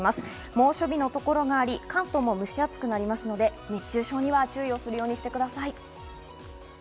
猛暑日のところがあり、関東も蒸し暑くなりますので、熱中症に注意してください。